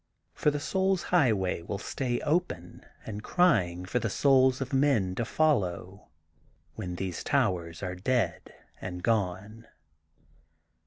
For the souls' highway will stay open and crying for the souls of men to follow when these towers are dead and gone.